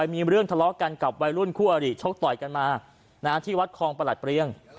มีเรื่องทะเลาะกันกับวัยรุ่นคู่อริชกต่อยกันมาที่วัดคลองประหลัดเรียง